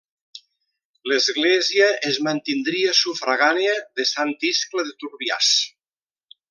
L'església es mantindria sufragània de Sant Iscle de Turbiàs.